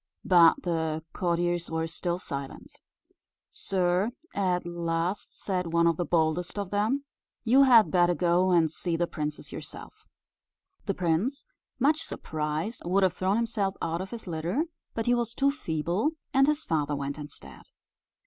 But the courtiers were still silent. "Sir," at last said one of the boldest of them, "you had better go and see the princess yourself." The prince, much surprised, would have thrown himself out of his litter; but he was too feeble, and his father went instead.